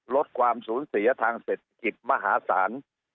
ลดความสูญเสียทางเศรษฐกิจมหาศาล